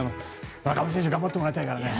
村上選手頑張ってもらいたいからね。